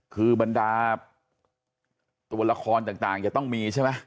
คือบรรดาตัวละครต่างจะต้องมีใช่ไหม